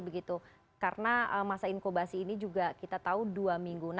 begitu karena masa inkubasi ini juga kita tahu dua minggu